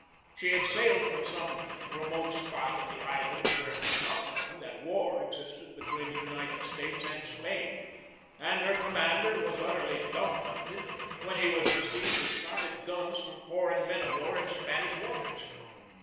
She had sailed from some remote spot in the islands where it was not known that war existed between the United States and Spain, and her commander was utterly dumfounded when he was received with shotted guns from foreign men of war in Spanish waters.